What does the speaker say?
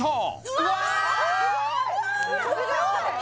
うわすごい！